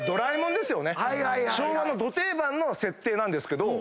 昭和のど定番の設定なんですけど。